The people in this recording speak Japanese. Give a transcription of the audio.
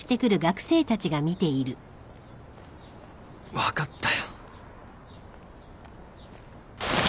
分かったよ。